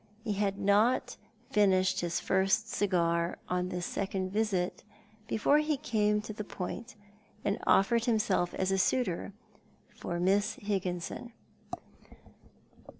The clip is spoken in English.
He had not finished his first cigar on this second visit before he came to the point, and offered himself as a suitor for Miss Higginson.